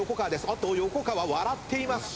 あっと横川笑っています。